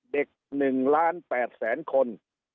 เด็ก๑ล้าน๘แสนคน